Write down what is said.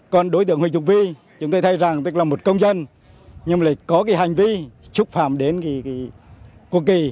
còn đối tượng huỳnh thục vi chúng tôi thấy rằng tức là một công dân nhưng mà lại có cái hành vi xúc phạm đến cái quốc kỳ